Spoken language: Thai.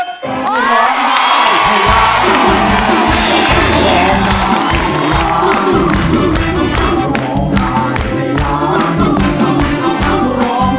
ไม่ว่าจะร้อง